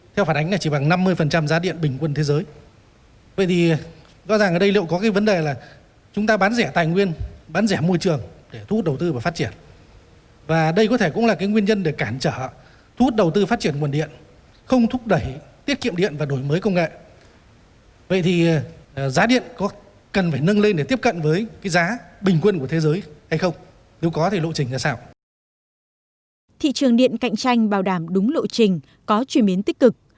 thị trường điện cạnh tranh bảo đảm đúng lộ trình có chuyển biến tích cực